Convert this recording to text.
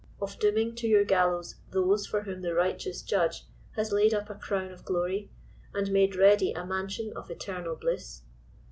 — of dooming to your gallows those for whom the Righteous Judge has laid up a crown of glory and made ready a mansion of eternal bliss